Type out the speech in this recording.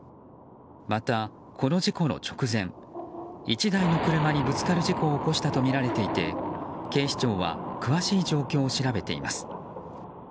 また、この事故の直前１台の車にぶつかる事故を起こしたとみられていて警視庁は詳しい状況を調べています。